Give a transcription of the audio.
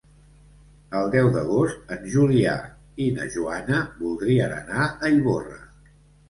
El deu d'agost en Julià i na Joana voldrien anar a Ivorra.